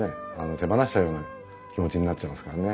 手放しちゃうような気持ちになっちゃいますからね。